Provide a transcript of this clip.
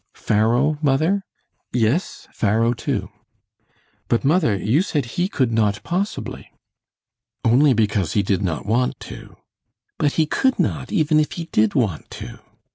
"Pharaoh, mother?" "Yes, Pharaoh, too." "But, mother, you said he could not possibly." "Only because he did not want to." "But he could not, even if he did want to."